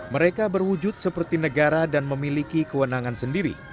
mereka berwujud seperti negara dan memiliki kewenangan sendiri